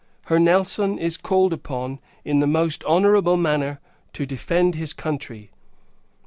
Her Nelson is called upon, in the most honourable manner, to defend his country!